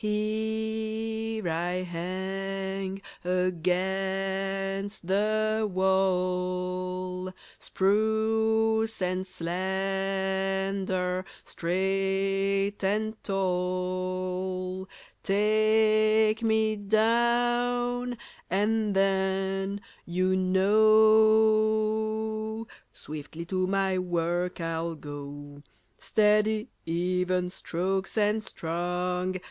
Here I hang against the wall, Spruce and slender, straight and tall. Take me down, and then, you know, Swiftly to my work I'll go. Steady, even strokes and strong!